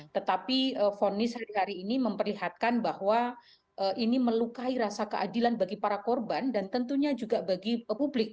tetapi fonis hari hari ini memperlihatkan bahwa ini melukai rasa keadilan bagi para korban dan tentunya juga bagi publik